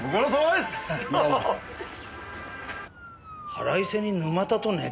腹いせに沼田と寝た？